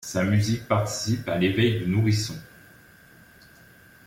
Sa musique participe à l'éveil du nourrisson.